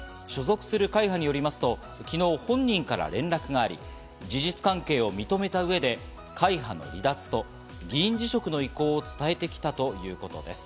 所属する会派によりますと昨日、本人から連絡があり、事実関係を認めた上で会派の離脱と議員辞職の意向を伝えてきたということです。